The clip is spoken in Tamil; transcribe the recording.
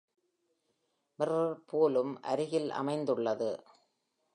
மிர்ரர் பூலும் அருகில் அமைந்துள்ளது.